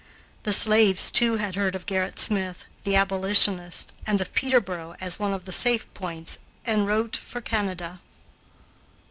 The slaves, too, had heard of Gerrit Smith, the abolitionist, and of Peterboro as one of the safe points en route for Canada.